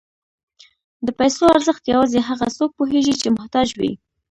د پیسو ارزښت یوازې هغه څوک پوهېږي چې محتاج وي.